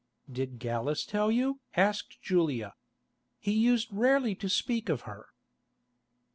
"Did Gallus tell you?" asked Julia. "He used rarely to speak of her."